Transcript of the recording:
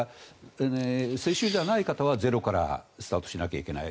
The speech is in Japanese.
世襲じゃない方はゼロからスタートしなきゃいけない。